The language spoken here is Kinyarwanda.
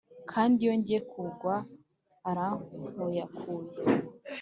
Kandi iyo ngiye kugwa arankuyakuya